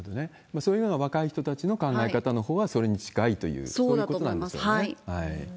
そういうのが若い人たちの考え方のほうはそれに近いという、そうだと思います。